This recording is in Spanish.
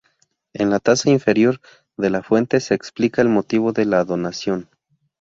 En la taza inferior de la fuente se explica el motivo de la donación.